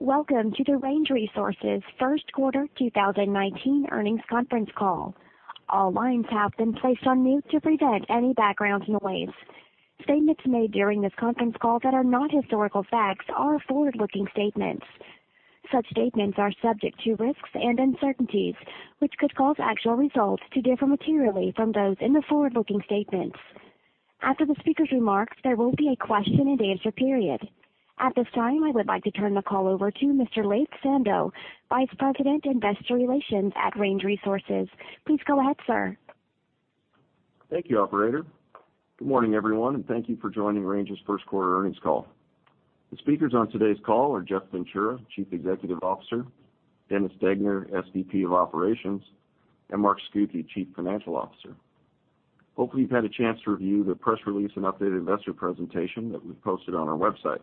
Welcome to the Range Resources first quarter 2019 earnings conference call. All lines have been placed on mute to prevent any background noise. Statements made during this conference call that are not historical facts are forward-looking statements. Such statements are subject to risks and uncertainties, which could cause actual results to differ materially from those in the forward-looking statements. After the speaker's remarks, there will be a question-and-answer period. At this time, I would like to turn the call over to Mr. Laith Sando, Vice President, Investor Relations at Range Resources. Please go ahead, sir. Thank you, operator. Good morning, everyone, thank you for joining Range's first quarter earnings call. The speakers on today's call are Jeff Ventura, Chief Executive Officer, Dennis Degner, SVP of Operations, and Mark Scucchi, Chief Financial Officer. Hopefully, you've had a chance to review the press release and updated investor presentation that we've posted on our website.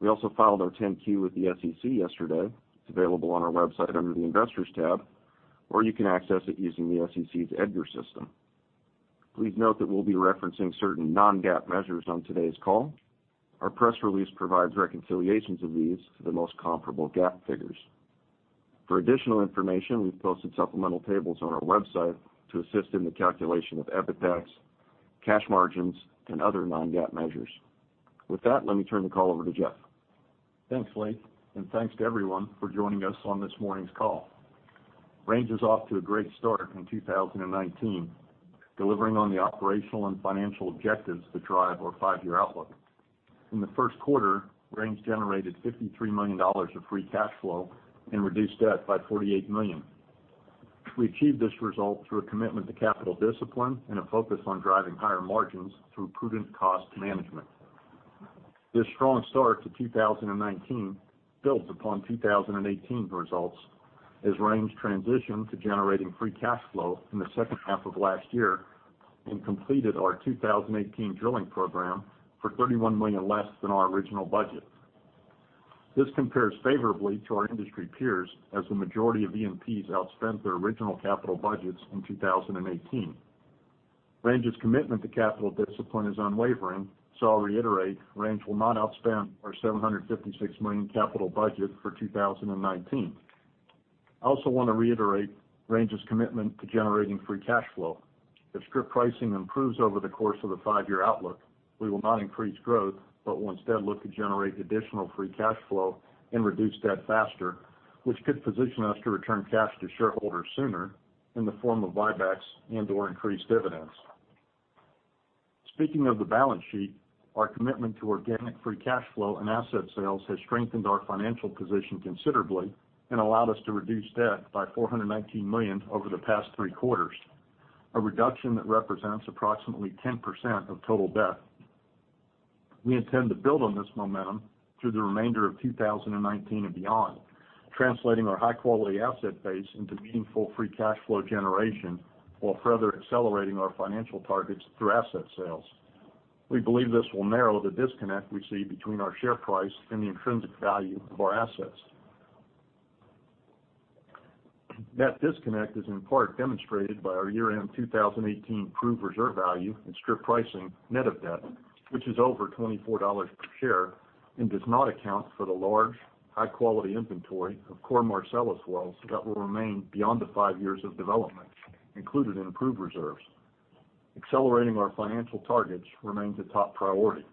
We also filed our 10-Q with the SEC yesterday. It's available on our website under the Investors tab, or you can access it using the SEC's EDGAR system. Please note that we'll be referencing certain non-GAAP measures on today's call. Our press release provides reconciliations of these to the most comparable GAAP figures. For additional information, we've posted supplemental tables on our website to assist in the calculation of EBITDAX, cash margins, and other non-GAAP measures. With that, let me turn the call over to Jeff. Thanks, Laith thanks to everyone for joining us on this morning's call. Range is off to a great start in 2019, delivering on the operational and financial objectives that drive our five-year outlook. In the first quarter, Range generated $53 million of free cash flow and reduced debt by $48 million. We achieved this result through a commitment to capital discipline and a focus on driving higher margins through prudent cost management. This strong start to 2019 builds upon 2018 results as Range transitioned to generating free cash flow in the second half of last year and completed our 2018 drilling program for $31 million less than our original budget. This compares favorably to our industry peers as the majority of E&Ps outspent their original capital budgets in 2018. Range's commitment to capital discipline is unwavering, I'll reiterate, Range will not outspend our $756 million capital budget for 2019. I also want to reiterate Range's commitment to generating free cash flow. If strip pricing improves over the course of the five-year outlook, we will not increase growth, we'll instead look to generate additional free cash flow and reduce debt faster, which could position us to return cash to shareholders sooner in the form of buybacks and/or increased dividends. Speaking of the balance sheet, our commitment to organic free cash flow and asset sales has strengthened our financial position considerably and allowed us to reduce debt by $419 million over the past three quarters, a reduction that represents approximately 10% of total debt. We intend to build on this momentum through the remainder of 2019 and beyond, translating our high-quality asset base into meaningful free cash flow generation, while further accelerating our financial targets through asset sales. We believe this will narrow the disconnect we see between our share price and the intrinsic value of our assets. That disconnect is in part demonstrated by our year-end 2018 proved reserve value and strip pricing net of debt, which is over $24 per share and does not account for the large, high-quality inventory of core Marcellus wells that will remain beyond the five years of development included in proved reserves. Accelerating our financial targets remains a top priority.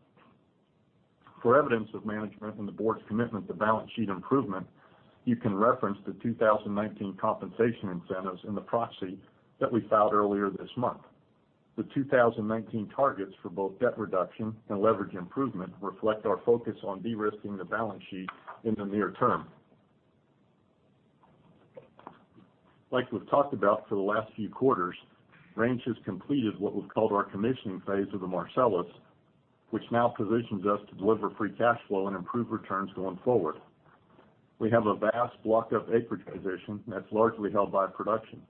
For evidence of management and the board's commitment to balance sheet improvement, you can reference the 2019 compensation incentives in the proxy that we filed earlier this month. The 2019 targets for both debt reduction and leverage improvement reflect our focus on de-risking the balance sheet in the near term. Like we've talked about for the last few quarters, Range has completed what we've called our commissioning phase of the Marcellus, which now positions us to deliver free cash flow and improved returns going forward. We have a vast blocked-up acreage position that's largely held by production.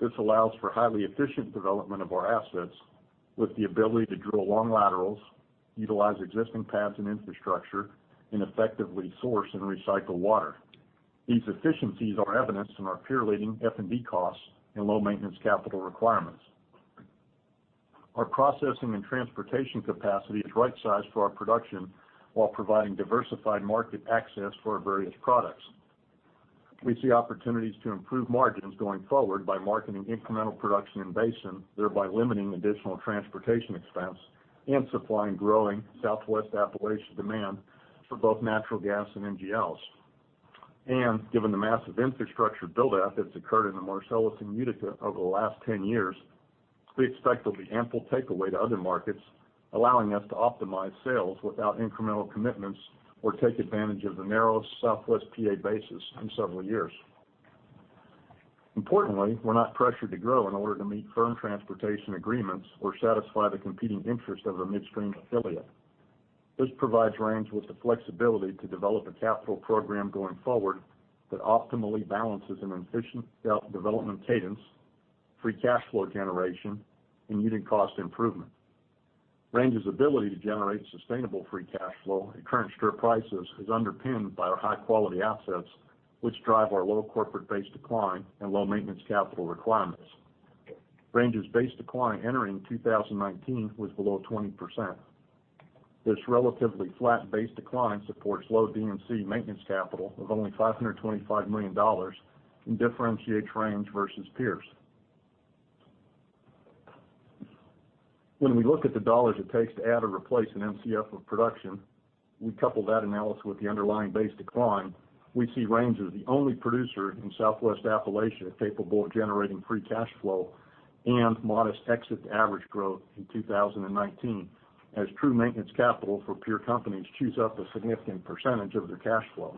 This allows for highly efficient development of our assets with the ability to drill long laterals, utilize existing pads and infrastructure, and effectively source and recycle water. These efficiencies are evidenced in our peer-leading F&D costs and low maintenance capital requirements. Our processing and transportation capacity is right-sized for our production while providing diversified market access for our various products. We see opportunities to improve margins going forward by marketing incremental production in basin, thereby limiting additional transportation expense and supplying growing Southwest Appalachia demand for both natural gas and NGLs. Given the massive infrastructure build that has occurred in the Marcellus and Utica over the last 10 years, we expect there'll be ample takeaway to other markets, allowing us to optimize sales without incremental commitments or take advantage of the narrow Southwest P.A. basis in several years. Importantly, we're not pressured to grow in order to meet firm transportation agreements or satisfy the competing interests of a midstream affiliate. This provides Range with the flexibility to develop a capital program going forward that optimally balances an efficient development cadence, free cash flow generation, and unit cost improvement. Range's ability to generate sustainable free cash flow at current strip prices is underpinned by our high-quality assets, which drive our low corporate base decline and low maintenance capital requirements. Range's base decline entering 2019 was below 20%. This relatively flat base decline supports low DMC maintenance capital of only $525 million and differentiates Range versus peers. When we look at the dollars it takes to add or replace an Mcf of production, we couple that analysis with the underlying base decline. We see Range as the only producer in Southwest Appalachia capable of generating free cash flow and modest exit average growth in 2019, as true maintenance capital for peer companies chews up a significant percentage of their cash flow.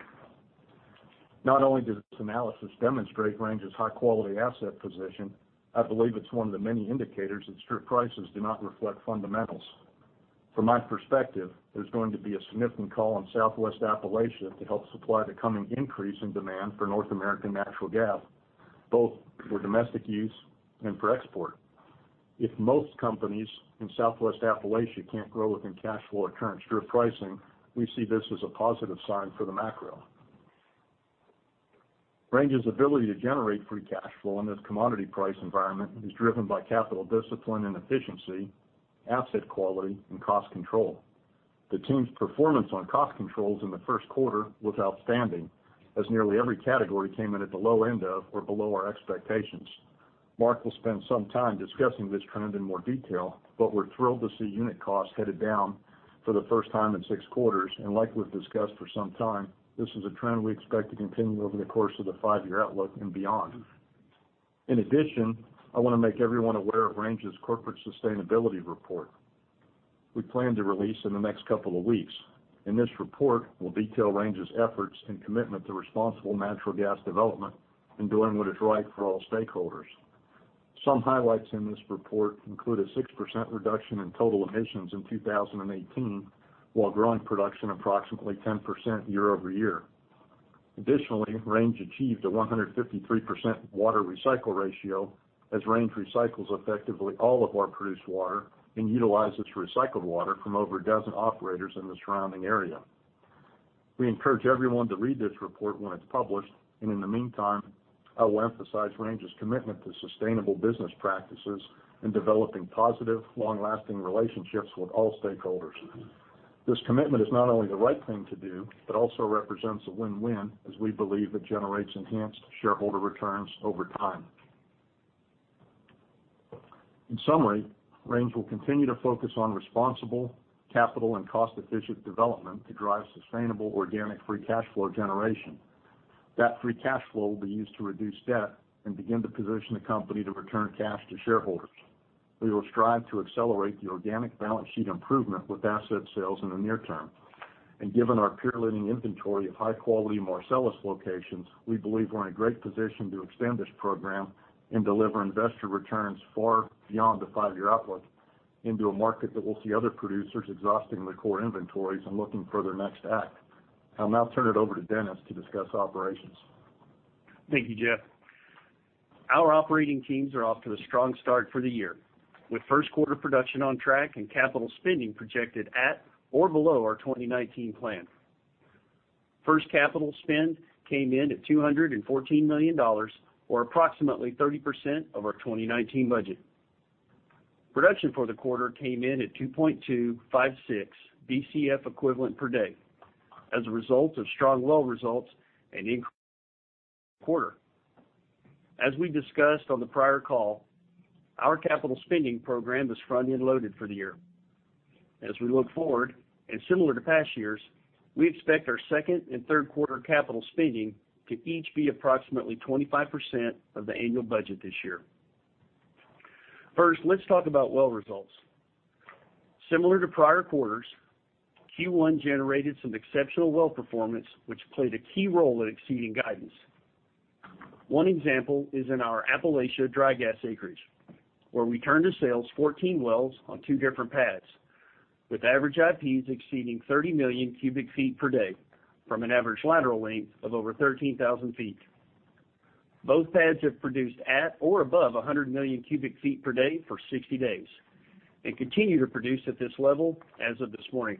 Not only does this analysis demonstrate Range's high-quality asset position, I believe it's one of the many indicators that strip prices do not reflect fundamentals. From my perspective, there's going to be a significant call on Southwest Appalachia to help supply the coming increase in demand for North American natural gas, both for domestic use and for export. If most companies in Southwest Appalachia can't grow within cash flow at current strip pricing, we see this as a positive sign for the macro. Range's ability to generate free cash flow in this commodity price environment is driven by capital discipline and efficiency, asset quality, and cost control. The team's performance on cost controls in the first quarter was outstanding, as nearly every category came in at the low end of or below our expectations. Mark will spend some time discussing this trend in more detail, but we're thrilled to see unit costs headed down for the first time in six quarters. Like we've discussed for some time, this is a trend we expect to continue over the course of the five-year outlook and beyond. In addition, I want to make everyone aware of Range's corporate sustainability report we plan to release in the next couple of weeks. This report will detail Range's efforts and commitment to responsible natural gas development in doing what is right for all stakeholders. Some highlights in this report include a 6% reduction in total emissions in 2018 while growing production approximately 10% year-over-year. Additionally, Range achieved a 153% water recycle ratio as Range recycles effectively all of our produced water and utilizes recycled water from over a dozen operators in the surrounding area. We encourage everyone to read this report when it's published. In the meantime, I will emphasize Range's commitment to sustainable business practices and developing positive, long-lasting relationships with all stakeholders. This commitment is not only the right thing to do, but also represents a win-win as we believe it generates enhanced shareholder returns over time. In summary, Range will continue to focus on responsible capital and cost-efficient development to drive sustainable organic free cash flow generation. That free cash flow will be used to reduce debt and begin to position the company to return cash to shareholders. We will strive to accelerate the organic balance sheet improvement with asset sales in the near term. Given our peer-leading inventory of high-quality Marcellus locations, we believe we're in a great position to extend this program and deliver investor returns far beyond the five-year outlook into a market that will see other producers exhausting their core inventories and looking for their next act. I'll now turn it over to Dennis to discuss operations. Thank you, Jeff. Our operating teams are off to a strong start for the year, with first quarter production on track and capital spending projected at or below our 2019 plan. First capital spend came in at $214 million, or approximately 30% of our 2019 budget. Production for the quarter came in at 2.256 Bcf equivalent per day as a result of strong well results and increased quarter. As we discussed on the prior call, our capital spending program is front-end loaded for the year. As we look forward, similar to past years, we expect our second and third quarter capital spending to each be approximately 25% of the annual budget this year. First, let's talk about well results. Similar to prior quarters, Q1 generated some exceptional well performance, which played a key role in exceeding guidance. One example is in our Appalachia dry gas acreage, where we turned to sales 14 wells on two different pads, with average IPs exceeding 30 million cubic feet per day from an average lateral length of over 13,000 feet. Both pads have produced at or above 100 million cubic feet per day for 60 days and continue to produce at this level as of this morning.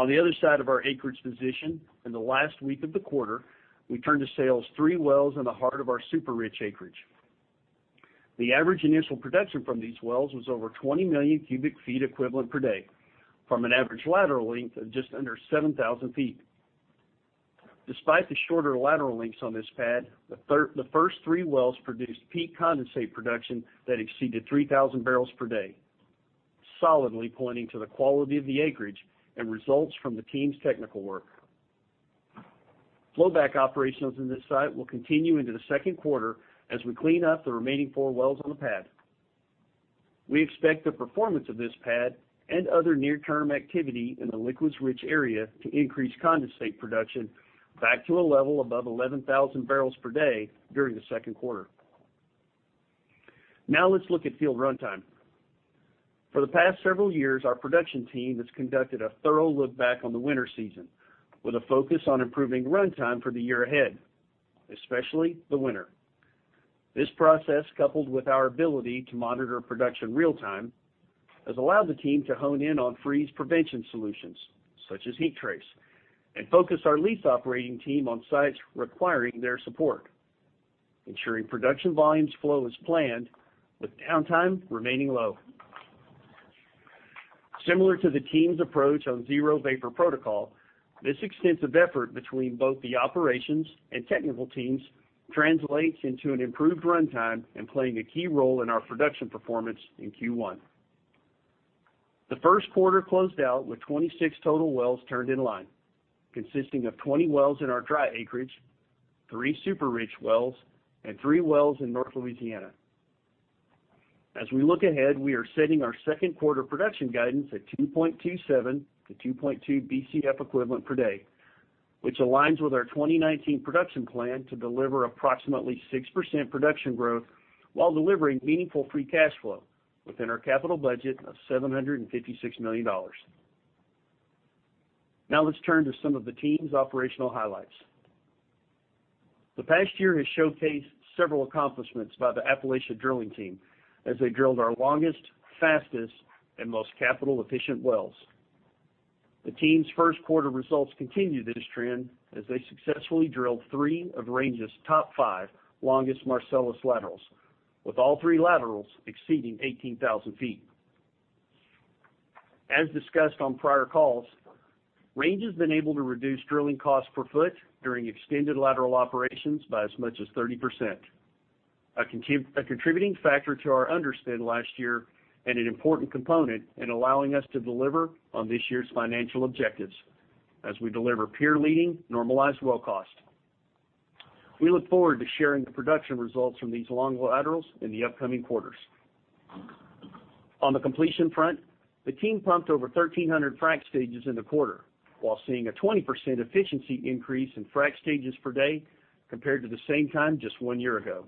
On the other side of our acreage position, in the last week of the quarter, we turned to sales three wells in the heart of our Super-Rich acreage. The average initial production from these wells was over 20 million cubic feet equivalent per day from an average lateral length of just under 7,000 feet. Despite the shorter lateral lengths on this pad, the first three wells produced peak condensate production that exceeded 3,000 barrels per day, solidly pointing to the quality of the acreage and results from the team's technical work. Flow back operations in this site will continue into the second quarter as we clean up the remaining four wells on the pad. We expect the performance of this pad and other near-term activity in the liquids-rich area to increase condensate production back to a level above 11,000 barrels per day during the second quarter. Let's look at field runtime. For the past several years, our production team has conducted a thorough look back on the winter season with a focus on improving runtime for the year ahead, especially the winter. This process, coupled with our ability to monitor production real-time has allowed the team to hone in on freeze prevention solutions, such as heat trace, and focus our lease operating team on sites requiring their support, ensuring production volumes flow as planned with downtime remaining low. Similar to the team's approach on zero vapor protocol, this extensive effort between both the operations and technical teams translates into an improved runtime and playing a key role in our production performance in Q1. The first quarter closed out with 26 total wells turned in line, consisting of 20 wells in our dry acreage, three Super-Rich wells, and three wells in North Louisiana. As we look ahead, we are setting our second quarter production guidance at 2.27-2.28 Bcf equivalent per day, which aligns with our 2019 production plan to deliver approximately 6% production growth while delivering meaningful free cash flow within our capital budget of $756 million. Let's turn to some of the team's operational highlights. The past year has showcased several accomplishments by the Appalachia drilling team as they drilled our longest, fastest, and most capital-efficient wells. The team's first quarter results continue this trend as they successfully drilled 3 of Range's top 5 longest Marcellus laterals, with all 3 laterals exceeding 18,000 feet. As discussed on prior calls, Range has been able to reduce drilling costs per foot during extended lateral operations by as much as 30%. A contributing factor to our underspend last year and an important component in allowing us to deliver on this year's financial objectives as we deliver peer-leading normalized well cost. We look forward to sharing the production results from these long laterals in the upcoming quarters. On the completion front, the team pumped over 1,300 frac stages in the quarter while seeing a 20% efficiency increase in frac stages per day compared to the same time just one year ago.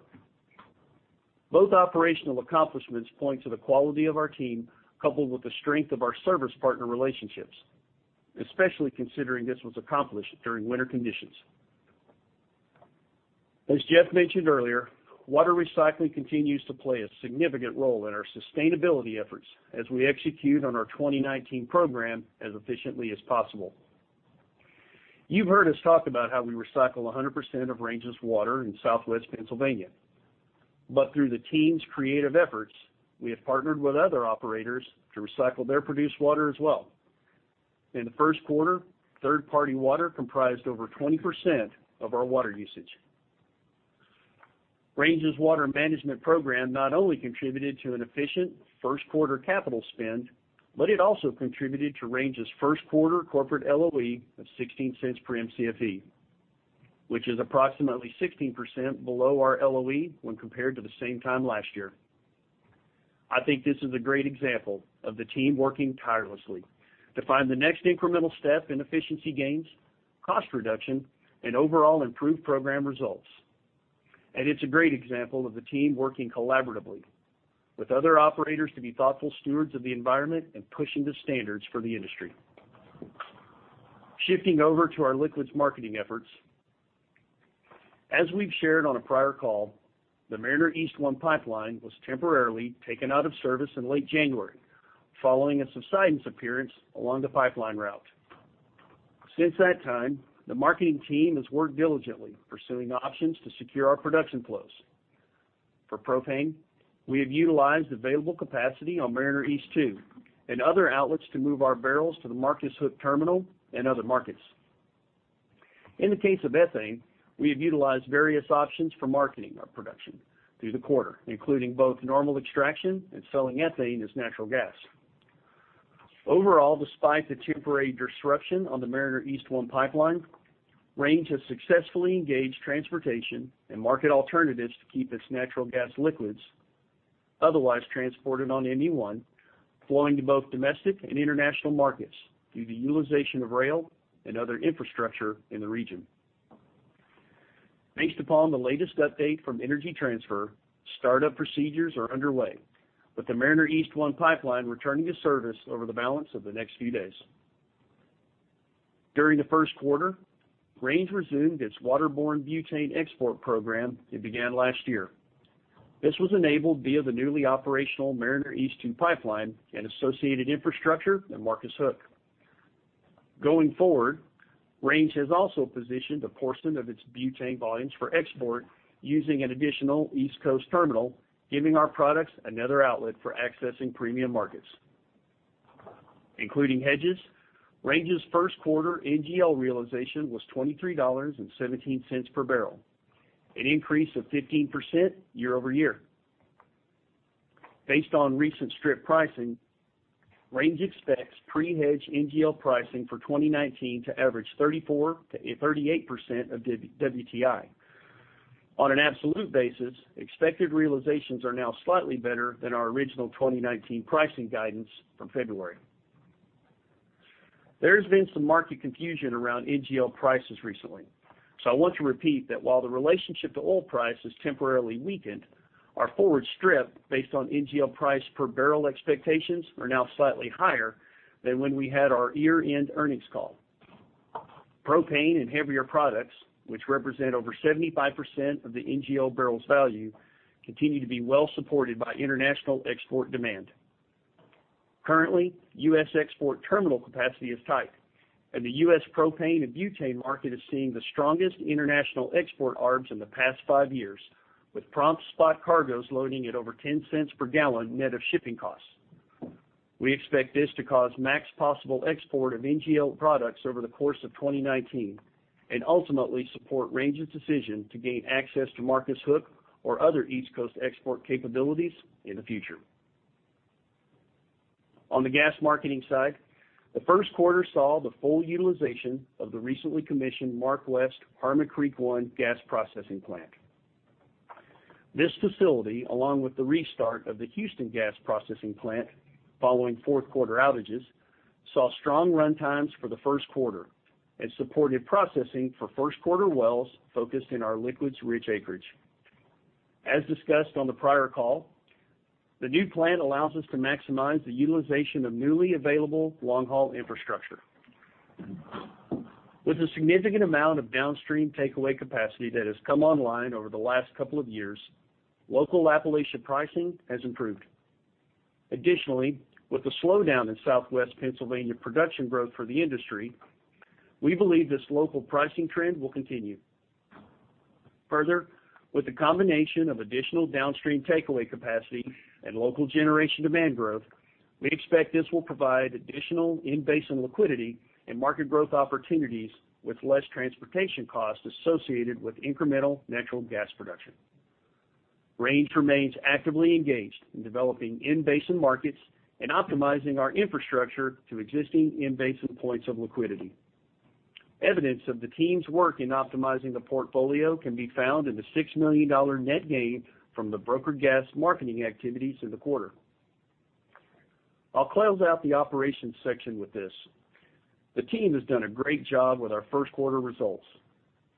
Both operational accomplishments point to the quality of our team, coupled with the strength of our service partner relationships, especially considering this was accomplished during winter conditions. As Jeff mentioned earlier, water recycling continues to play a significant role in our sustainability efforts as we execute on our 2019 program as efficiently as possible. You've heard us talk about how we recycle 100% of Range's water in Southwest Pennsylvania. Through the team's creative efforts, we have partnered with other operators to recycle their produced water as well. In the first quarter, third-party water comprised over 20% of our water usage. Range's water management program not only contributed to an efficient first quarter capital spend, but it also contributed to Range's first quarter corporate LOE of $0.16 per Mcfe, which is approximately 16% below our LOE when compared to the same time last year. I think this is a great example of the team working tirelessly to find the next incremental step in efficiency gains, cost reduction, and overall improved program results. It's a great example of the team working collaboratively with other operators to be thoughtful stewards of the environment and pushing the standards for the industry. Shifting over to our liquids marketing efforts. As we've shared on a prior call, the Mariner East 1 pipeline was temporarily taken out of service in late January, following a subsidence appearance along the pipeline route. Since that time, the marketing team has worked diligently pursuing options to secure our production flows. For propane, we have utilized available capacity on Mariner East 2 and other outlets to move our barrels to the Marcus Hook terminal and other markets. In the case of ethane, we have utilized various options for marketing our production through the quarter, including both normal extraction and selling ethane as natural gas. Overall, despite the temporary disruption on the Mariner East 1 pipeline, Range has successfully engaged transportation and market alternatives to keep its natural gas liquids, otherwise transported on ME1, flowing to both domestic and international markets through the utilization of rail and other infrastructure in the region. Based upon the latest update from Energy Transfer, startup procedures are underway, with the Mariner East 1 pipeline returning to service over the balance of the next few days. During the first quarter, Range resumed its waterborne butane export program it began last year. This was enabled via the newly operational Mariner East 2 pipeline and associated infrastructure at Marcus Hook. Going forward, Range has also positioned a portion of its butane volumes for export using an additional East Coast terminal, giving our products another outlet for accessing premium markets. Including hedges, Range's first quarter NGL realization was $23.17 per barrel, an increase of 15% year-over-year. Based on recent strip pricing, Range expects pre-hedged NGL pricing for 2019 to average 34%-38% of WTI. On an absolute basis, expected realizations are now slightly better than our original 2019 pricing guidance from February. There has been some market confusion around NGL prices recently. I want to repeat that while the relationship to oil price has temporarily weakened, our forward strip based on NGL price per barrel expectations are now slightly higher than when we had our year-end earnings call. Propane and heavier products, which represent over 75% of the NGL barrels value, continue to be well-supported by international export demand. Currently, U.S. export terminal capacity is tight. The U.S. propane and butane market is seeing the strongest international export arbs in the past five years, with prompt spot cargoes loading at over $0.10 per gallon net of shipping costs. We expect this to cause max possible export of NGL products over the course of 2019. Ultimately support Range's decision to gain access to Marcus Hook or other East Coast export capabilities in the future. On the gas marketing side, the first quarter saw the full utilization of the recently commissioned MarkWest Harmon Creek 1 gas processing plant. This facility, along with the restart of the Houston Gas Processing Plant following fourth quarter outages, saw strong run times for the first quarter and supported processing for first quarter wells focused in our liquids-rich acreage. As discussed on the prior call, the new plant allows us to maximize the utilization of newly available long-haul infrastructure. With a significant amount of downstream takeaway capacity that has come online over the last couple of years, local Appalachian pricing has improved. Additionally, with the slowdown in Southwest Pennsylvania production growth for the industry, we believe this local pricing trend will continue. Further, with the combination of additional downstream takeaway capacity and local generation demand growth, we expect this will provide additional in-basin liquidity and market growth opportunities with less transportation cost associated with incremental natural gas production. Range remains actively engaged in developing in-basin markets and optimizing our infrastructure to existing in-basin points of liquidity. Evidence of the team's work in optimizing the portfolio can be found in the $6 million net gain from the broker gas marketing activities in the quarter. I'll close out the operations section with this. The team has done a great job with our first quarter results,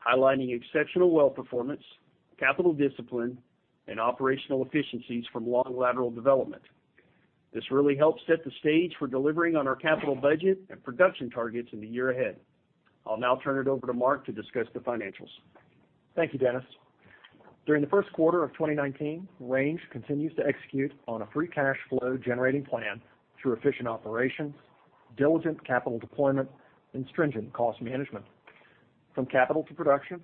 highlighting exceptional well performance, capital discipline, and operational efficiencies from long lateral development. This really helps set the stage for delivering on our capital budget and production targets in the year ahead. I'll now turn it over to Mark to discuss the financials. Thank you, Dennis. During the first quarter of 2019, Range continues to execute on a free cash flow-generating plan through efficient operations, diligent capital deployment, and stringent cost management. From capital to production,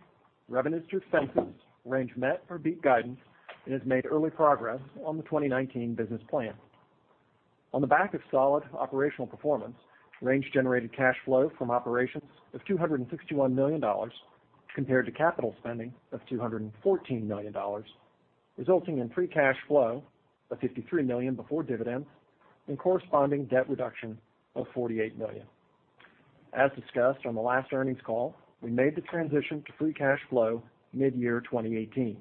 revenues to expenses, Range met or beat guidance and has made early progress on the 2019 business plan. On the back of solid operational performance, Range generated cash flow from operations of $261 million compared to capital spending of $214 million, resulting in free cash flow of $53 million before dividends and corresponding debt reduction of $48 million. As discussed on the last earnings call, we made the transition to free cash flow mid-year 2018.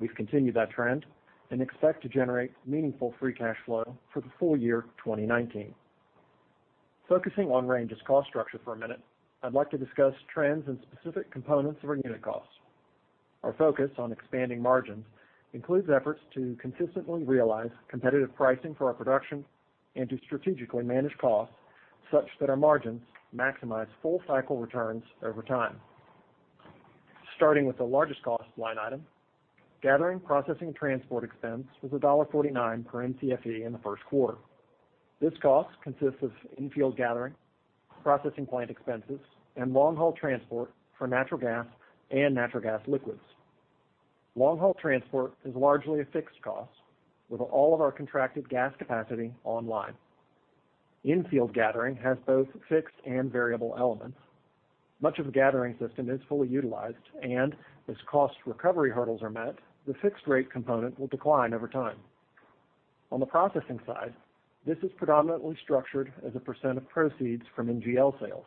We've continued that trend and expect to generate meaningful free cash flow for the full year 2019. Focusing on Range's cost structure for a minute, I'd like to discuss trends and specific components of our unit costs. Our focus on expanding margins includes efforts to consistently realize competitive pricing for our production and to strategically manage costs such that our margins maximize full-cycle returns over time. Starting with the largest cost line item, gathering, processing, and transport expense was $1.49 per Mcfe in the first quarter. This cost consists of infield gathering, processing plant expenses, and long-haul transport for natural gas and natural gas liquids. Long-haul transport is largely a fixed cost with all of our contracted gas capacity online. Infield gathering has both fixed and variable elements. Much of the gathering system is fully utilized, and as cost recovery hurdles are met, the fixed rate component will decline over time. On the processing side, this is predominantly structured as a percent of proceeds from NGL sales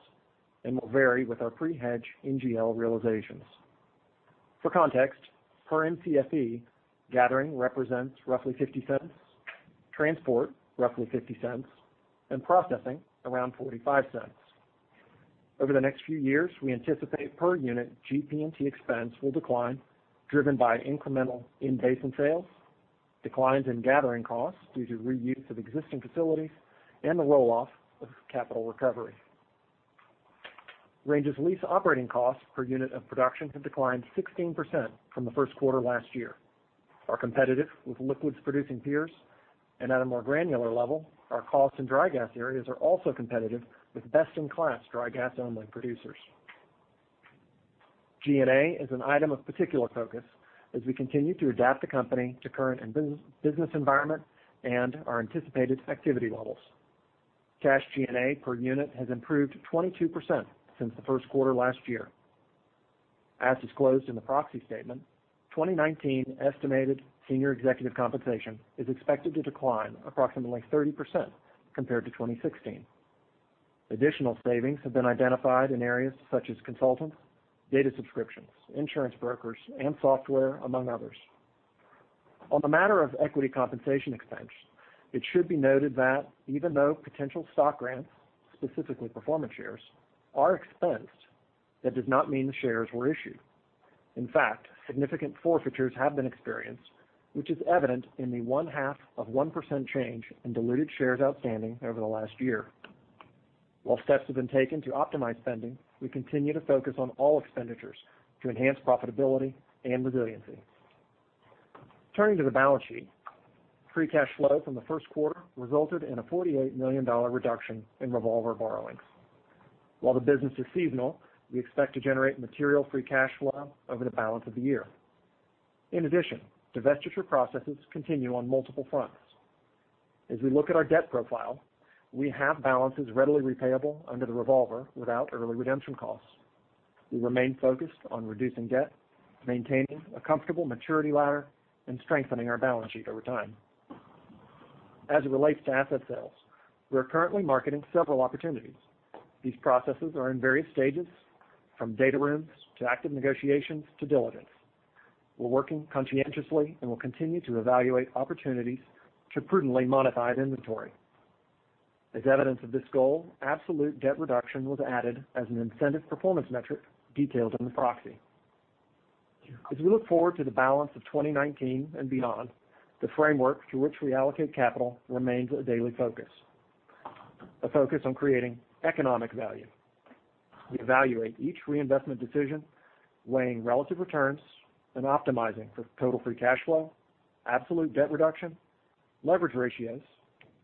and will vary with our pre-hedge NGL realizations. For context, per Mcfe, gathering represents roughly $0.50, transport roughly $0.50, and processing around $0.45. Over the next few years, we anticipate per-unit GP&T expense will decline, driven by incremental in-basin sales, declines in gathering costs due to reuse of existing facilities, and the roll-off of capital recovery. Range's lease operating costs per unit of production have declined 16% from the first quarter last year, are competitive with liquids-producing peers, and at a more granular level, our costs in dry gas areas are also competitive with best-in-class dry gas-only producers. G&A is an item of particular focus as we continue to adapt the company to current and business environment and our anticipated activity levels. Cash G&A per unit has improved 22% since the first quarter last year. As disclosed in the proxy statement, 2019 estimated senior executive compensation is expected to decline approximately 30% compared to 2016. Additional savings have been identified in areas such as consultants, data subscriptions, insurance brokers, and software, among others. On the matter of equity compensation expense, it should be noted that even though potential stock grants, specifically performance shares, are expensed, that does not mean the shares were issued. In fact, significant forfeitures have been experienced, which is evident in the one-half of 1% change in diluted shares outstanding over the last year. While steps have been taken to optimize spending, we continue to focus on all expenditures to enhance profitability and resiliency. Turning to the balance sheet, free cash flow from the first quarter resulted in a $48 million reduction in revolver borrowings. While the business is seasonal, we expect to generate material free cash flow over the balance of the year. In addition, divestiture processes continue on multiple fronts. As we look at our debt profile, we have balances readily repayable under the revolver without early redemption costs. We remain focused on reducing debt, maintaining a comfortable maturity ladder, and strengthening our balance sheet over time. As it relates to asset sales, we are currently marketing several opportunities. These processes are in various stages, from data rooms to active negotiations to diligence. We're working conscientiously and will continue to evaluate opportunities to prudently monetize inventory. As evidence of this goal, absolute debt reduction was added as an incentive performance metric detailed in the proxy. As we look forward to the balance of 2019 and beyond, the framework through which we allocate capital remains a daily focus. A focus on creating economic value. We evaluate each reinvestment decision, weighing relative returns and optimizing for total free cash flow, absolute debt reduction, leverage ratios,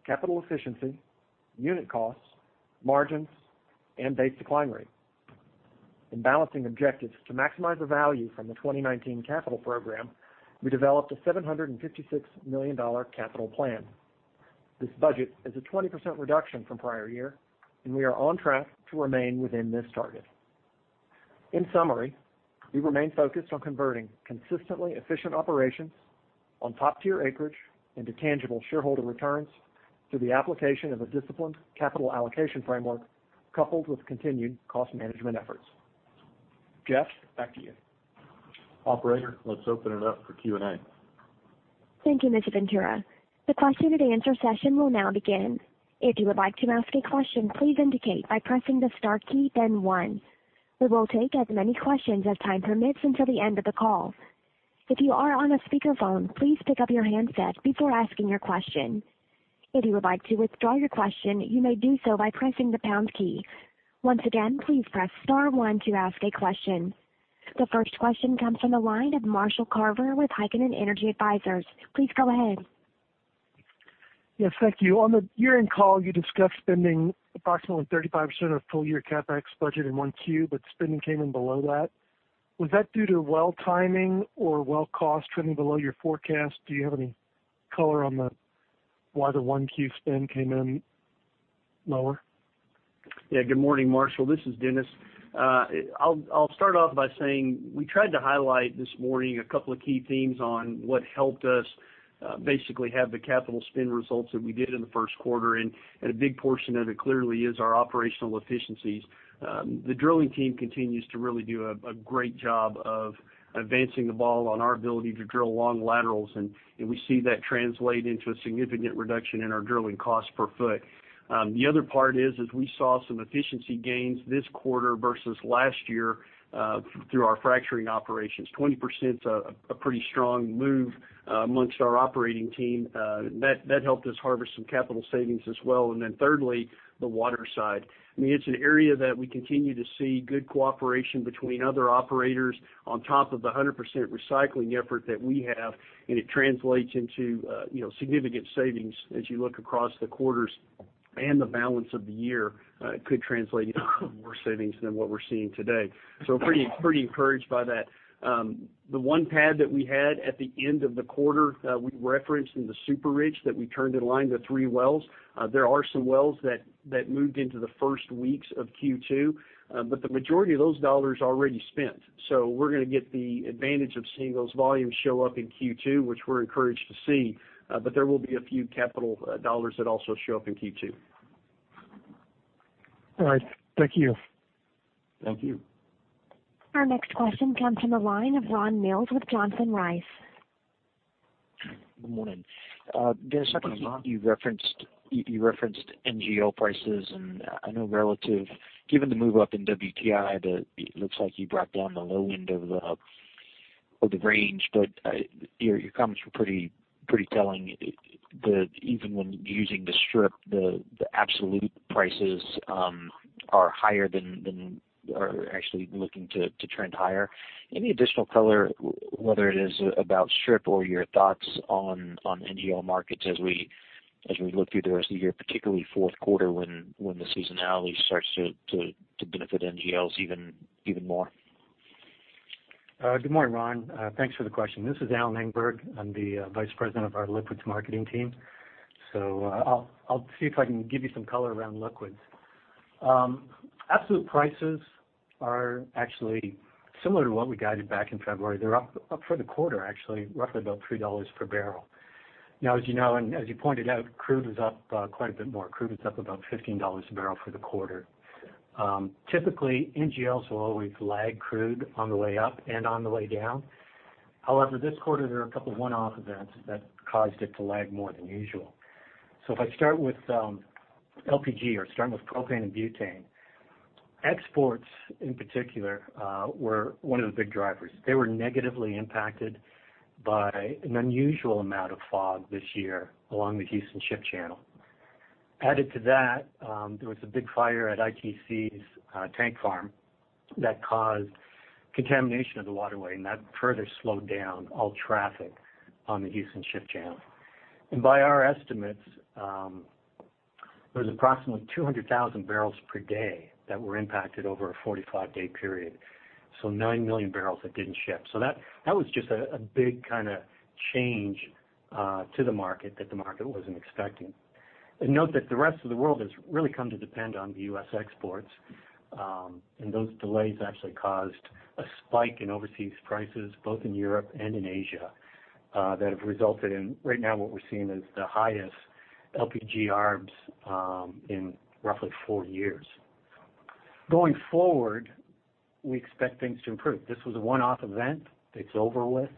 capital efficiency, unit costs, margins, and base decline rate. In balancing objectives to maximize the value from the 2019 capital program, we developed a $756 million capital plan. This budget is a 20% reduction from prior year, and we are on track to remain within this target. In summary, we remain focused on converting consistently efficient operations on top-tier acreage into tangible shareholder returns through the application of a disciplined capital allocation framework, coupled with continued cost management efforts. Jeff, back to you. Operator, let's open it up for Q&A. Thank you, Mr. Ventura. The question-and-answer session will now begin. If you would like to ask a question, please indicate by pressing the star key, then one. We will take as many questions as time permits until the end of the call. If you are on a speakerphone, please pick up your handset before asking your question. If you would like to withdraw your question, you may do so by pressing the pound key. Once again, please press star one to ask a question. The first question comes from the line of Marshall Carver with Heikkinen Energy Advisors. Please go ahead. Yes, thank you. On the year-end call, you discussed spending approximately 35% of full-year CapEx budget in 1Q. Spending came in below that. Was that due to well timing or well cost trending below your forecast? Do you have any color on why the 1Q spend came in lower? Yeah, good morning, Marshall. This is Dennis. I will start off by saying we tried to highlight this morning a couple of key themes on what helped us basically have the capital spend results that we did in the 1st quarter. A big portion of it clearly is our operational efficiencies. The drilling team continues to really do a great job of advancing the ball on our ability to drill long laterals. We see that translate into a significant reduction in our drilling cost per foot. The other part is we saw some efficiency gains this quarter versus last year through our fracturing operations. 20% is a pretty strong move amongst our operating team. That helped us harvest some capital savings as well. Thirdly, the water side. It is an area that we continue to see good cooperation between other operators on top of the 100% recycling effort that we have, and it translates into significant savings as you look across the quarters, and the balance of the year could translate into more savings than what we are seeing today. Pretty encouraged by that. The 1 pad that we had at the end of the quarter, we referenced in the Super-Rich that we turned in line the 3 wells. There are some wells that moved into the 1st weeks of Q2. The majority of those dollars already spent. We are going to get the advantage of seeing those volumes show up in Q2, which we are encouraged to see. There will be a few capital dollars that also show up in Q2. All right. Thank you. Thank you. Our next question comes from the line of Ron Mills with Johnson Rice. Good morning. Good morning, Ron. Dennis, I think you referenced NGL prices, and I know relative, given the move up in WTI, that it looks like you brought down the low end of the range. Your comments were pretty telling that even when using the strip, the absolute prices are higher or actually looking to trend higher. Any additional color, whether it is about strip or your thoughts on NGL markets as we look through the rest of the year, particularly fourth quarter when the seasonality starts to benefit NGLs even more? Good morning, Ron. Thanks for the question. This is Alan Engberg. I'm the Vice President of our Liquids Marketing team. I'll see if I can give you some color around liquids. Absolute prices are actually similar to what we guided back in February. They're up for the quarter, actually, roughly about $3 per barrel. Now, as you know, and as you pointed out, crude was up quite a bit more. Crude was up about $15 a barrel for the quarter. Typically, NGLs will always lag crude on the way up and on the way down. However, this quarter, there are a couple of one-off events that caused it to lag more than usual. If I start with LPG or starting with propane and butane. Exports, in particular, were one of the big drivers. They were negatively impacted by an unusual amount of fog this year along the Houston Ship Channel. Added to that, there was a big fire at ITC's tank farm that caused contamination of the waterway, and that further slowed down all traffic on the Houston Ship Channel. By our estimates, there was approximately 200,000 barrels per day that were impacted over a 45-day period. Nine million barrels that didn't ship. That was just a big kind of change to the market that the market wasn't expecting. Note that the rest of the world has really come to depend on the U.S. exports. Those delays actually caused a spike in overseas prices, both in Europe and in Asia, that have resulted in, right now, what we're seeing as the highest LPG ARBs in roughly four years. Going forward, we expect things to improve. This was a one-off event. It's over with.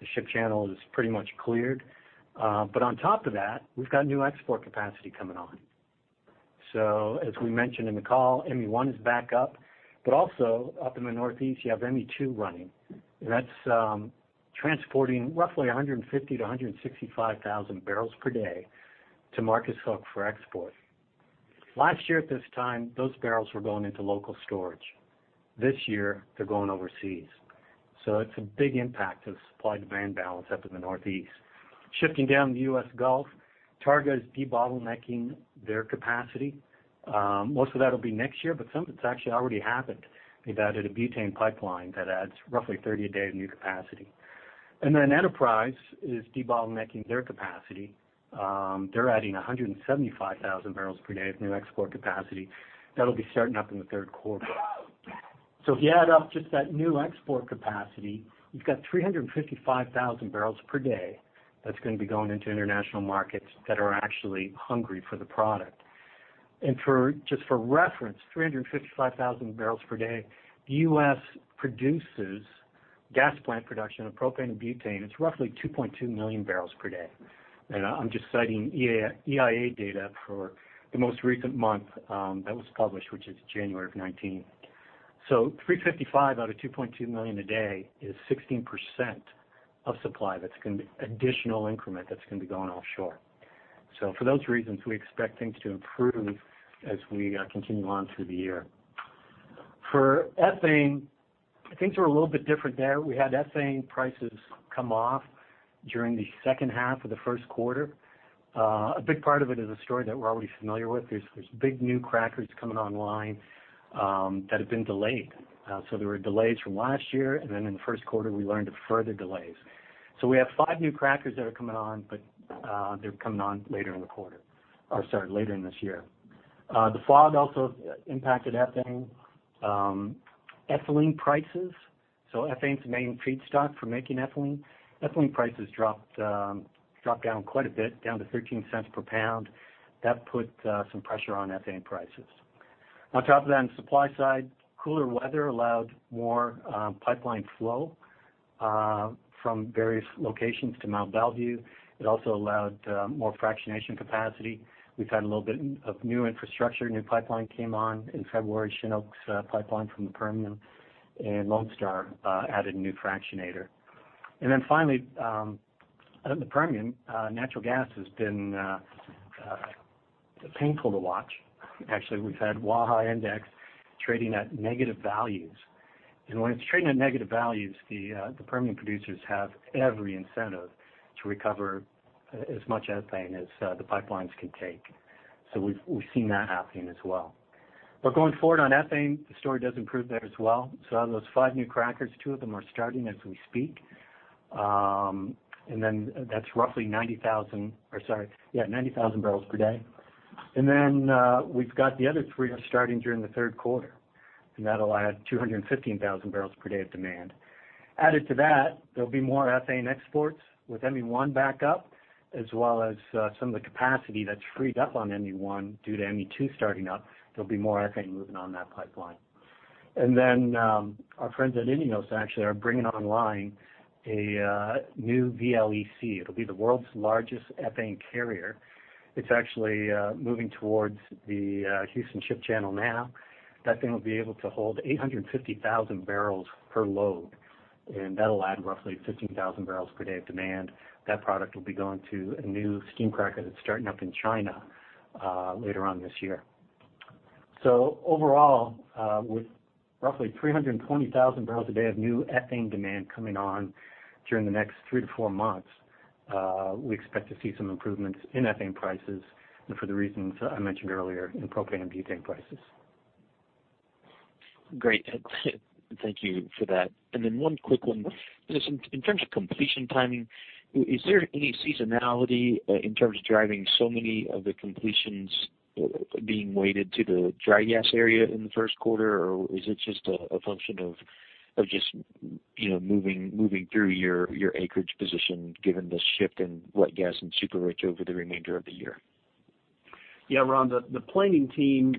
The ship channel is pretty much cleared. On top of that, we've got new export capacity coming on. As we mentioned in the call, ME1 is back up, but also up in the Northeast, you have ME2 running, and that's transporting roughly 150 to 165,000 barrels per day to Marcus Hook for export. Last year at this time, those barrels were going into local storage. This year, they're going overseas. It's a big impact to the supply-demand balance up in the Northeast. Shifting down to the U.S. Gulf, Targa is debottlenecking their capacity. Most of that'll be next year, but some of it's actually already happened. They've added a butane pipeline that adds roughly 30 a day of new capacity. Enterprise is debottlenecking their capacity. They're adding 175,000 barrels per day of new export capacity. That'll be starting up in the third quarter. If you add up just that new export capacity, you've got 355,000 barrels per day that's going to be going into international markets that are actually hungry for the product. Just for reference, 355,000 barrels per day, U.S. produces gas plant production of propane and butane. It's roughly 2.2 million barrels per day. I'm just citing EIA data for the most recent month that was published, which is January of 2019. 355 out of 2.2 million a day is 16% of supply that's going to be additional increment that's going to be going offshore. For those reasons, we expect things to improve as we continue on through the year. For ethane, things were a little bit different there. We had ethane prices come off during the second half of the first quarter. A big part of it is a story that we're already familiar with. There's big new crackers coming online that have been delayed. There were delays from last year, and then in the first quarter, we learned of further delays. We have five new crackers that are coming on, but they're coming on later in the quarter, or sorry, later in this year. The fog also impacted ethane. Ethylene prices, so ethane's the main feedstock for making ethylene. Ethylene prices dropped down quite a bit, down to $0.13 per pound. That put some pressure on ethane prices. On top of that, on the supply side, cooler weather allowed more pipeline flow from various locations to Mont Belvieu. It also allowed more fractionation capacity. We've had a little bit of new infrastructure. A new pipeline came on in February, Shin Oak pipeline from the Permian, and Lone Star added a new fractionator. Finally, out in the Permian, natural gas has been painful to watch. Actually, we've had Waha Index trading at negative values. When it's trading at negative values, the Permian producers have every incentive to recover as much ethane as the pipelines can take. We've seen that happening as well. Going forward on ethane, the story does improve there as well. Out of those five new crackers, two of them are starting as we speak. That's roughly 90,000. Or sorry, yeah, 90,000 barrels per day. We've got the other three are starting during the third quarter, and that'll add 215,000 barrels per day of demand. Added to that, there'll be more ethane exports with ME1 back up, as well as some of the capacity that's freed up on ME1 due to ME2 starting up. There'll be more ethane moving on that pipeline. Our friends at INEOS actually are bringing online a new VLEC. It'll be the world's largest ethane carrier. It's actually moving towards the Houston Ship Channel now. That thing will be able to hold 850,000 barrels per load, and that'll add roughly 15,000 barrels per day of demand. That product will be going to a new steam cracker that's starting up in China later on this year. Overall, with roughly 320,000 barrels a day of new ethane demand coming on during the next three to four months, we expect to see some improvements in ethane prices and for the reasons I mentioned earlier in propane and butane prices. Great. Thank you for that. One quick one. Just in terms of completion timing, is there any seasonality in terms of driving so many of the completions being weighted to the dry gas area in the first quarter, or is it just a function of just moving through your acreage position given the shift in wet gas and Super-Rich over the remainder of the year? Yeah, Ron, the planning team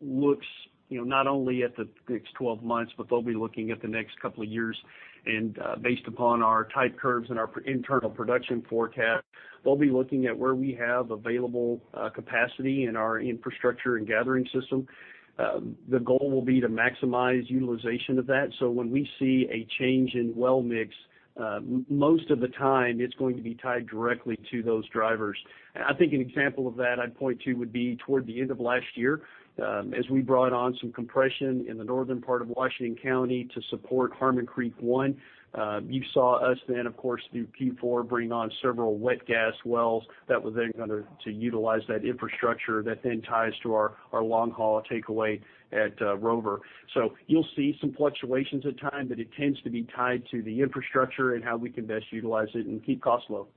looks not only at the next 12 months, but they'll be looking at the next couple of years. Based upon our type curves and our internal production forecast, they'll be looking at where we have available capacity in our infrastructure and gathering system. The goal will be to maximize utilization of that. When we see a change in well mix, most of the time it's going to be tied directly to those drivers. I think an example of that I'd point to would be toward the end of last year, as we brought on some compression in the northern part of Washington County to support Harmon Creek 1. You saw us then, of course, through Q4, bring on several wet gas wells that were then going to utilize that infrastructure that then ties to our long-haul takeaway at Rover. You'll see some fluctuations at times, but it tends to be tied to the infrastructure and how we can best utilize it and keep costs low.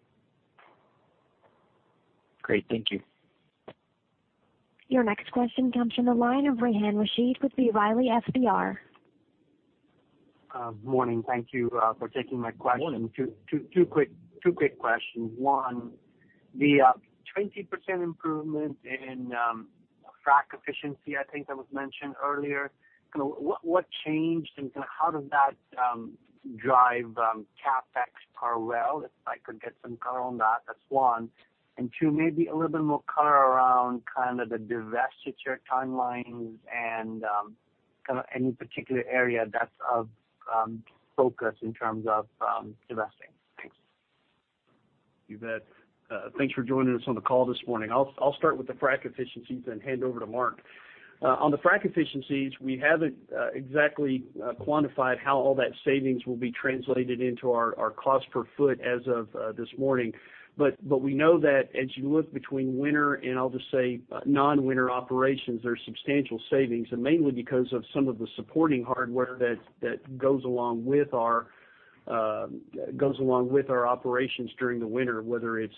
Great. Thank you. Your next question comes from the line of Rehan Rashid with B. Riley FBR. Morning. Thank you for taking my question. Morning. Two quick questions. One, the 20% improvement in frack efficiency, I think that was mentioned earlier. What changed, and how does that drive CapEx per well? If I could get some color on that. That's one. Two, maybe a little bit more color around the divestiture timelines and any particular area that's of focus in terms of divesting. Thanks. You bet. Thanks for joining us on the call this morning. I'll start with the frack efficiencies and hand over to Mark. On the frack efficiencies, we haven't exactly quantified how all that savings will be translated into our cost per foot as of this morning. We know that as you look between winter and I'll just say non-winter operations, there's substantial savings, and mainly because of some of the supporting hardware that goes along with our operations during the winter, whether it's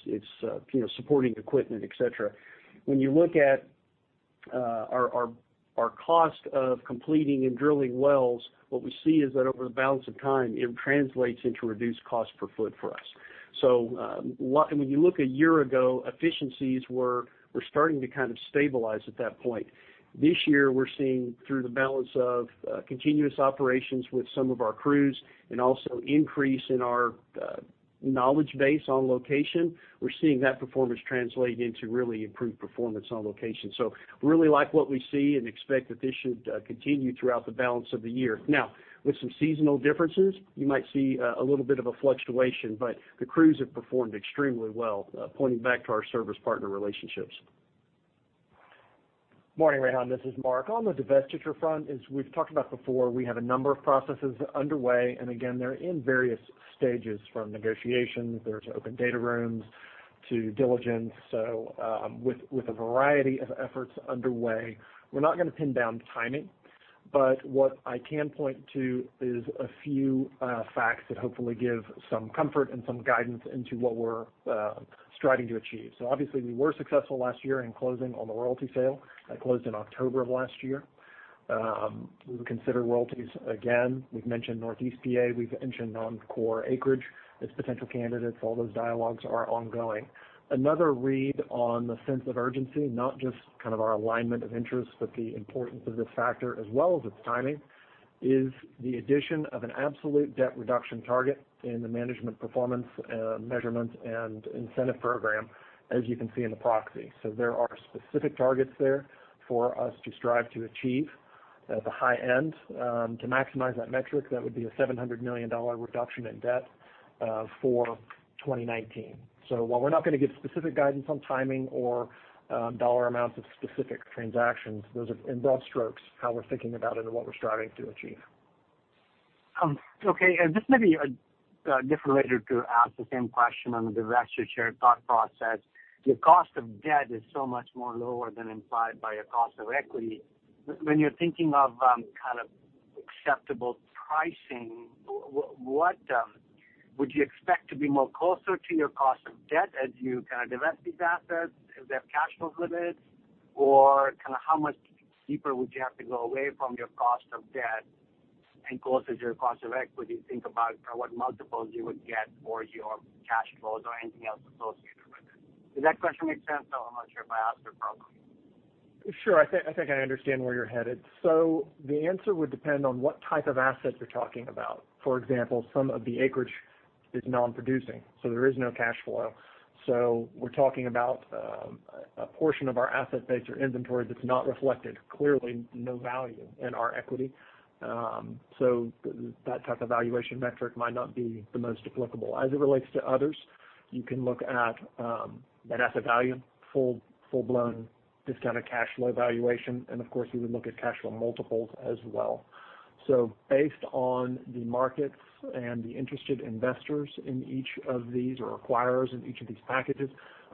supporting equipment, et cetera. When you look at our cost of completing and drilling wells, what we see is that over the balance of time, it translates into reduced cost per foot for us. When you look a year ago, efficiencies were starting to stabilize at that point. This year, we're seeing through the balance of continuous operations with some of our crews, and also increase in our knowledge base on location. We're seeing that performance translate into really improved performance on location. We really like what we see and expect that this should continue throughout the balance of the year. With some seasonal differences, you might see a little bit of a fluctuation, the crews have performed extremely well, pointing back to our service partner relationships. Morning, Rehan. This is Mark. On the divestiture front, as we've talked about before, we have a number of processes underway, again, they're in various stages from negotiations, there's open data rooms to diligence. With a variety of efforts underway, we're not going to pin down timing. What I can point to is a few facts that hopefully give some comfort and some guidance into what we're striving to achieve. Obviously, we were successful last year in closing on the royalty sale. That closed in October of last year. We would consider royalties again. We've mentioned Northeast PA, we've mentioned non-core acreage as potential candidates. All those dialogues are ongoing. Another read on the sense of urgency, not just our alignment of interest, but the importance of this factor as well as its timing, is the addition of an absolute debt reduction target in the management performance measurement and incentive program, as you can see in the proxy. There are specific targets there for us to strive to achieve at the high end. To maximize that metric, that would be a $700 million reduction in debt for 2019. While we're not going to give specific guidance on timing or dollar amounts of specific transactions, those are in broad strokes, how we're thinking about it and what we're striving to achieve. Okay. This may be a different way to ask the same question on the divestiture thought process. Your cost of debt is so much more lower than implied by your cost of equity. When you're thinking of acceptable pricing, would you expect to be more closer to your cost of debt as you divest these assets if they have cash flow limits? How much deeper would you have to go away from your cost of debt and closer to your cost of equity to think about what multiples you would get for your cash flows or anything else associated with it? Does that question make sense? I'm not sure if I asked it properly. Sure. I think I understand where you're headed. The answer would depend on what type of asset you're talking about. For example, some of the acreage is non-producing, so there is no cash flow. We're talking about a portion of our asset base or inventory that's not reflected. Clearly, no value in our equity. That type of valuation metric might not be the most applicable. As it relates to others, you can look at net asset value, full-blown discounted cash flow valuation, and of course, you would look at cash flow multiples as well. Based on the markets and the interested investors in each of these, or acquirers in each of these packages,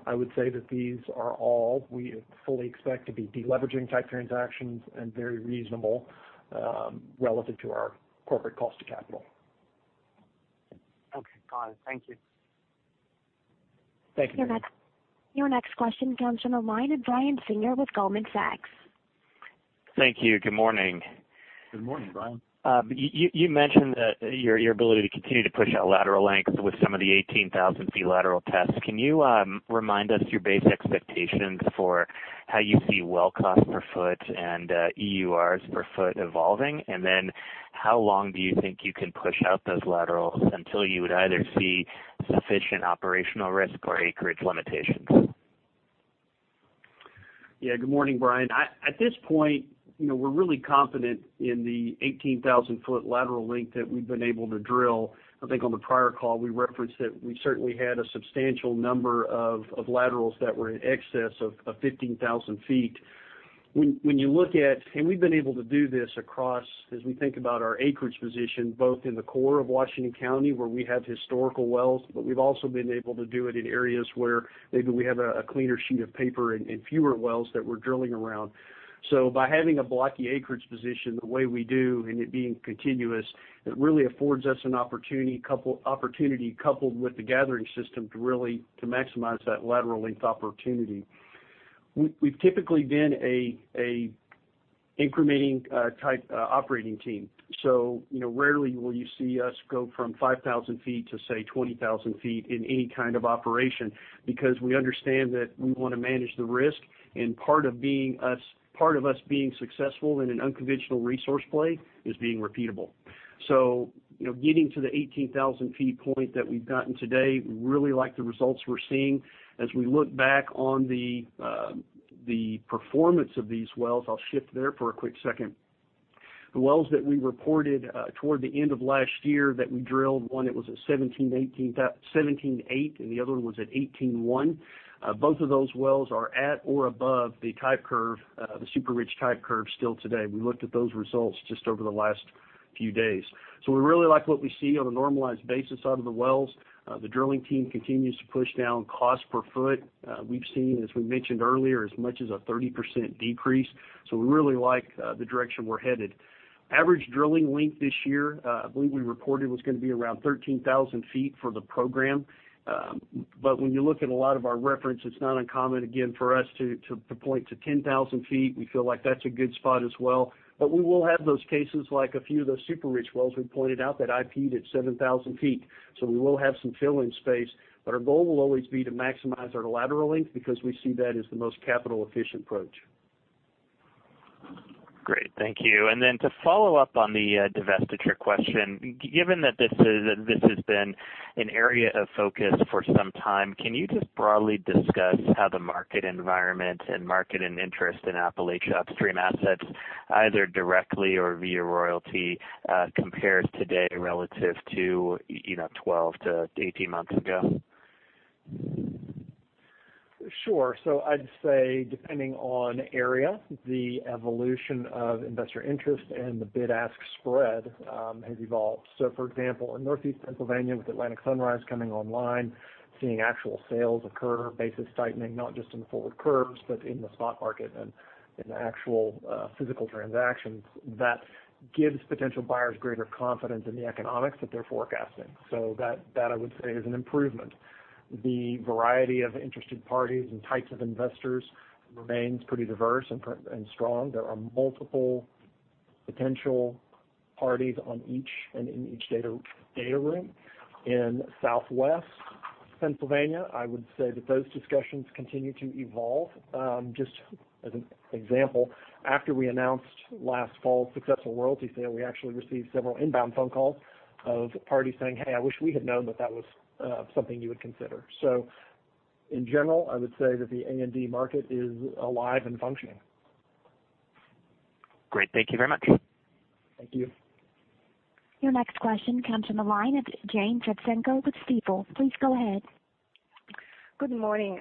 I would say that these are all we fully expect to be de-leveraging type transactions and very reasonable, relative to our corporate cost of capital. Okay, got it. Thank you. Thank you. Your next question comes from the line of Brian Singer with Goldman Sachs. Thank you. Good morning. Good morning, Brian. You mentioned your ability to continue to push out lateral lengths with some of the 18,000 feet lateral tests. Can you remind us your base expectations for how you see well cost per foot and EURs per foot evolving? How long do you think you can push out those laterals until you would either see sufficient operational risk or acreage limitations? Yeah. Good morning, Brian. At this point, we're really confident in the 18,000 foot lateral length that we've been able to drill. I think on the prior call, we referenced that we certainly had a substantial number of laterals that were in excess of 15,000 feet. We've been able to do this across, as we think about our acreage position, both in the core of Washington County, where we have historical wells, we've also been able to do it in areas where maybe we have a cleaner sheet of paper and fewer wells that we're drilling around. By having a blocky acreage position the way we do, and it being continuous, it really affords us an opportunity, coupled with the gathering system, to really maximize that lateral length opportunity. We've typically been an incrementing type operating team. Rarely will you see us go from 5,000 feet to, say, 20,000 feet in any kind of operation because we understand that we want to manage the risk, and part of us being successful in an unconventional resource play is being repeatable. Getting to the 18,000 feet point that we've gotten today, we really like the results we're seeing. As we look back on the performance of these wells, I'll shift there for a quick second. The wells that we reported toward the end of last year that we drilled, one it was at 17-eight, and the other one was at 18-one. Both of those wells are at or above the type curve, the super-rich type curve still today. We looked at those results just over the last few days. We really like what we see on a normalized basis out of the wells. The drilling team continues to push down cost per foot. We've seen, as we mentioned earlier, as much as a 30% decrease, so we really like the direction we're headed. Average drilling length this year, I believe we reported was going to be around 13,000 feet for the program. When you look at a lot of our reference, it's not uncommon, again, for us to point to 10,000 feet. We feel like that's a good spot as well. We will have those cases like a few of those super-rich wells we pointed out that IP'd at 7,000 feet. We will have some fill-in space, but our goal will always be to maximize our lateral length because we see that as the most capital-efficient approach. Great. Thank you. Then to follow up on the divestiture question, given that this has been an area of focus for some time, can you just broadly discuss how the market environment and market and interest in Appalachia upstream assets, either directly or via royalty, compares today relative to 12 to 18 months ago? Sure. I'd say depending on area, the evolution of investor interest and the bid-ask spread has evolved. For example, in Northeast Pennsylvania, with Atlantic Sunrise coming online, seeing actual sales occur, basis tightening, not just in the forward curves, but in the spot market and in actual physical transactions. That gives potential buyers greater confidence in the economics that they're forecasting. That, I would say, is an improvement. The variety of interested parties and types of investors remains pretty diverse and strong. There are multiple potential parties on each and in each data room. In Southwest Pennsylvania, I would say that those discussions continue to evolve. Just as an example, after we announced last fall's successful royalty sale, we actually received several inbound phone calls of parties saying, "Hey, I wish we had known that that was something you would consider." In general, I would say that the A&D market is alive and functioning. Great. Thank you very much. Thank you. Your next question comes from the line of Jane Trotsenko with Stifel. Please go ahead. Good morning.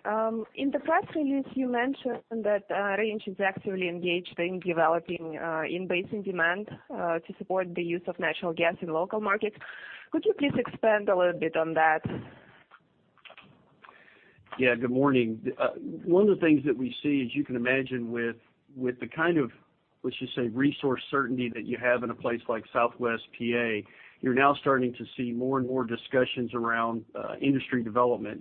In the press release, you mentioned that Range is actively engaged in developing in-basin demand to support the use of natural gas in local markets. Could you please expand a little bit on that? Yeah. Good morning. One of the things that we see, as you can imagine with the kind of, let's just say, resource certainty that you have in a place like Southwest PA, you're now starting to see more and more discussions around industry development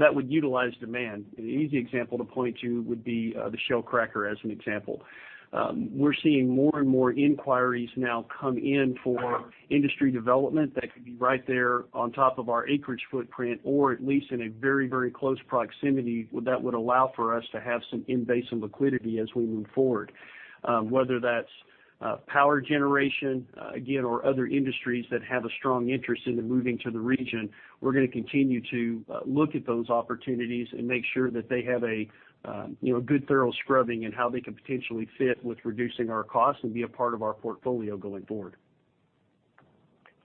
that would utilize demand. An easy example to point to would be the Shell cracker as an example. We're seeing more and more inquiries now come in for industry development that could be right there on top of our acreage footprint, or at least in a very close proximity that would allow for us to have some in-basin liquidity as we move forward. Whether that's power generation, again, or other industries that have a strong interest in them moving to the region, we're going to continue to look at those opportunities and make sure that they have a good thorough scrubbing in how they can potentially fit with reducing our costs and be a part of our portfolio going forward.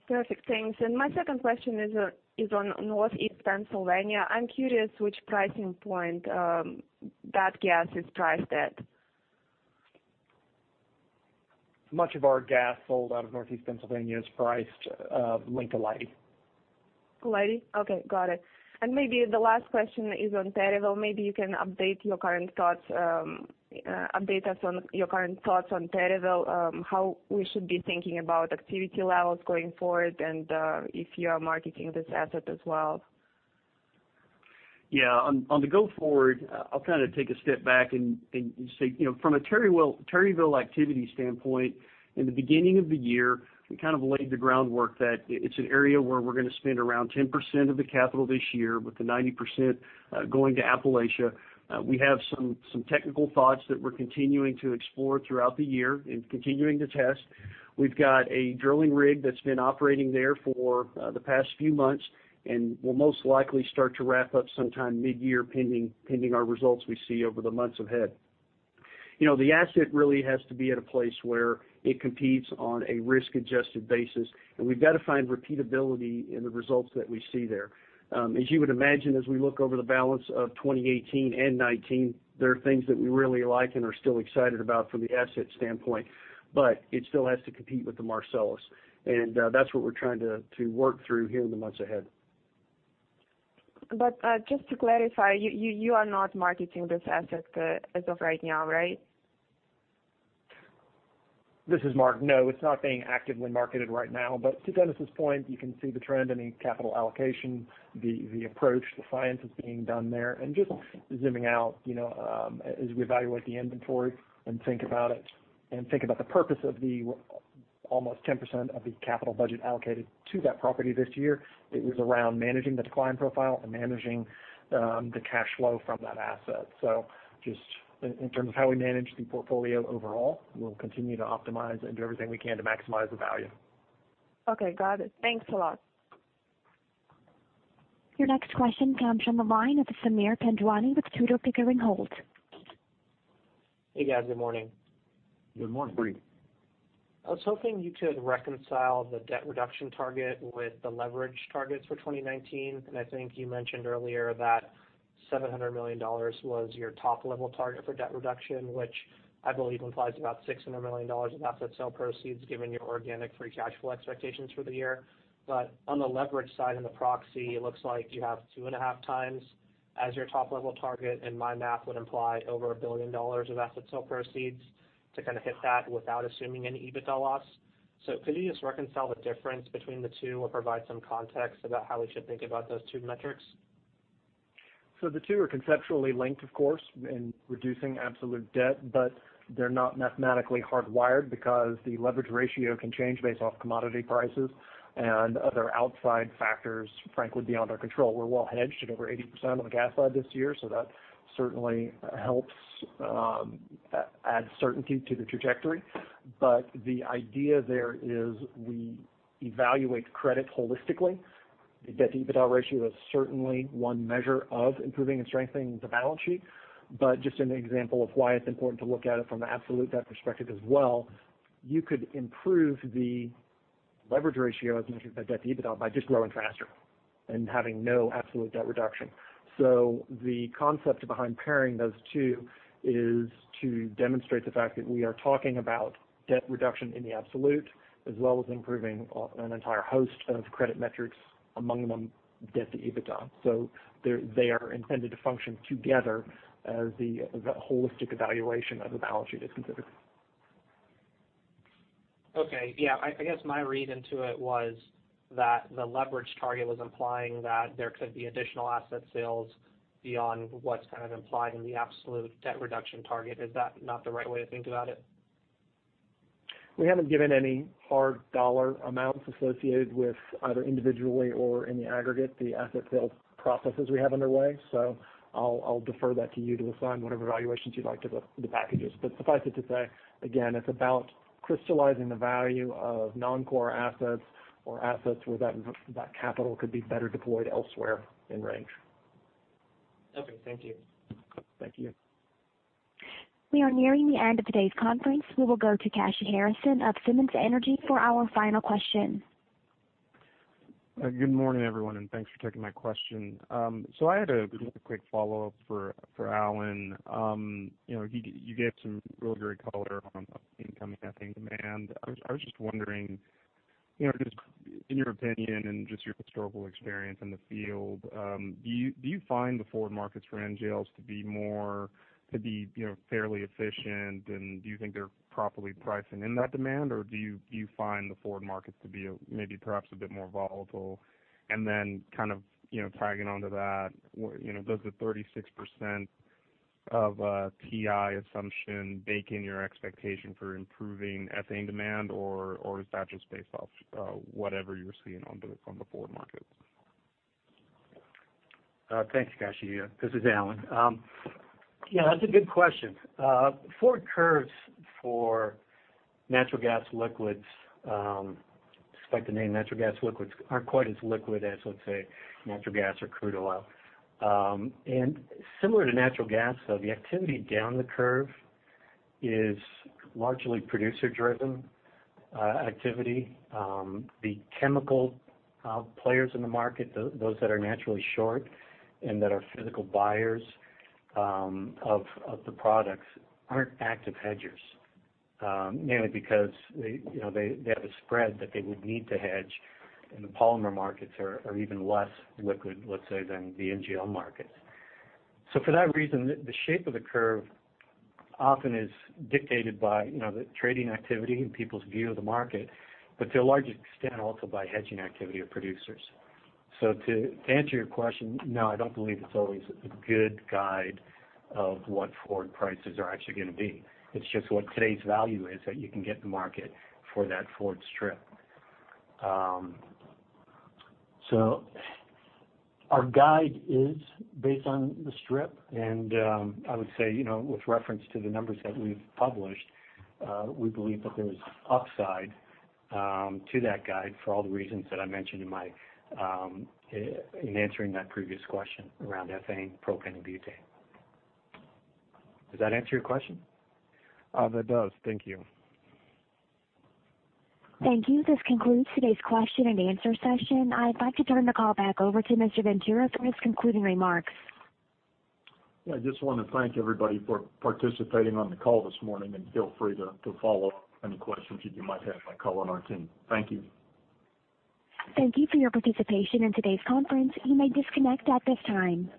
Perfect. Thanks. My second question is on Northeast Pennsylvania. I'm curious which pricing point that gas is priced at. Much of our gas sold out of Northeast Pennsylvania is priced linked to Leidy. Leidy? Okay. Got it. Maybe the last question is on Terryville. Maybe you can update us on your current thoughts on Terryville, how we should be thinking about activity levels going forward, and if you are marketing this asset as well. Yeah. On the go forward, I'll take a step back and say, from a Terryville activity standpoint, in the beginning of the year, we laid the groundwork that it's an area where we're going to spend around 10% of the capital this year, with the 90% going to Appalachia. We have some technical thoughts that we're continuing to explore throughout the year and continuing to test. We've got a drilling rig that's been operating there for the past few months, and will most likely start to wrap up sometime mid-year, pending our results we see over the months ahead. The asset really has to be at a place where it competes on a risk-adjusted basis, and we've got to find repeatability in the results that we see there. As you would imagine, as we look over the balance of 2018 and 2019, there are things that we really like and are still excited about from the asset standpoint, but it still has to compete with the Marcellus. That's what we're trying to work through here in the months ahead. just to clarify, you are not marketing this asset as of right now, right? This is Mark. It's not being actively marketed right now. To Dennis' point, you can see the trend in the capital allocation, the approach, the science that's being done there, and just zooming out, as we evaluate the inventory and think about it, and think about the purpose of the almost 10% of the capital budget allocated to that property this year, it was around managing the decline profile and managing the cash flow from that asset. Just in terms of how we manage the portfolio overall, we'll continue to optimize and do everything we can to maximize the value. Okay, got it. Thanks a lot. Your next question comes from the line of Sameer Panjwani with Tudor, Pickering, Holt. Hey, guys. Good morning. Good morning. Good morning. I was hoping you could reconcile the debt reduction target with the leverage targets for 2019. I think you mentioned earlier that $700 million was your top-level target for debt reduction, which I believe implies about $600 million of asset sale proceeds given your organic free cash flow expectations for the year. On the leverage side in the proxy, it looks like you have 2.5x as your top-level target, and my math would imply over $1 billion of asset sale proceeds to hit that without assuming any EBITDA loss. Could you just reconcile the difference between the two or provide some context about how we should think about those two metrics? The two are conceptually linked, of course, in reducing absolute debt, they're not mathematically hardwired because the leverage ratio can change based off commodity prices and other outside factors, frankly, beyond our control. We're well hedged at over 80% on the gas side this year, that certainly helps add certainty to the trajectory. The idea there is we evaluate credit holistically. The debt-to-EBITDA ratio is certainly one measure of improving and strengthening the balance sheet. Just an example of why it's important to look at it from an absolute debt perspective as well, you could improve the leverage ratio, as measured by debt to EBITDA, by just growing faster and having no absolute debt reduction. The concept behind pairing those two is to demonstrate the fact that we are talking about debt reduction in the absolute, as well as improving an entire host of credit metrics, among them debt to EBITDA. They are intended to function together as the holistic evaluation of the balance sheet is considered. Okay. Yeah. I guess my read into it was that the leverage target was implying that there could be additional asset sales beyond what's kind of implied in the absolute debt reduction target. Is that not the right way to think about it? We haven't given any hard dollar amounts associated with, either individually or in the aggregate, the asset sales processes we have underway. I'll defer that to you to assign whatever valuations you'd like to the packages. Suffice it to say, again, it's about crystallizing the value of non-core assets or assets where that capital could be better deployed elsewhere in Range. Okay, thank you. Thank you. We are nearing the end of today's conference. We will go to Kashy Harrison of Simmons Energy for our final question. Good morning, everyone, and thanks for taking my question. I had a quick follow-up for Alan. You gave some really great color on incoming ethane demand. I was just wondering, just in your opinion and just your historical experience in the field, do you find the forward markets for NGLs to be fairly efficient, and do you think they're properly pricing in that demand, or do you find the forward markets to be maybe perhaps a bit more volatile? Tagging onto that, does the 36% of TI assumption bake in your expectation for improving ethane demand, or is that just based off whatever you're seeing on the forward markets? Thanks, Kashy. This is Alan. Yeah, that's a good question. Forward curves for natural gas liquids, despite the name natural gas liquids, aren't quite as liquid as, let's say, natural gas or crude oil. Similar to natural gas, though, the activity down the curve is largely producer-driven activity. The chemical players in the market, those that are naturally short and that are physical buyers of the products, aren't active hedgers, mainly because they have a spread that they would need to hedge, and the polymer markets are even less liquid, let's say, than the NGL markets. For that reason, the shape of the curve often is dictated by the trading activity and people's view of the market, but to a large extent, also by hedging activity of producers. To answer your question, no, I don't believe it's always a good guide of what forward prices are actually going to be. It's just what today's value is that you can get in the market for that forward strip. Our guide is based on the strip, and I would say, with reference to the numbers that we've published, we believe that there is upside to that guide for all the reasons that I mentioned in answering that previous question around ethane, propane, and butane. Does that answer your question? That does. Thank you. Thank you. This concludes today's question-and-answer session. I'd like to turn the call back over to Mr. Ventura for his concluding remarks. Yeah, I just want to thank everybody for participating on the call this morning, and feel free to follow up any questions that you might have by calling our team. Thank you. Thank you for your participation in today's conference. You may disconnect at this time.